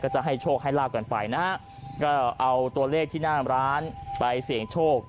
จะให้โชคให้ลาบกันไปนะฮะก็เอาตัวเลขที่หน้าร้านไปเสี่ยงโชค